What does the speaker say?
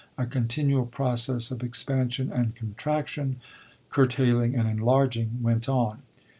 A continual process of expansion and contraction, curtailing and enlarging, went on.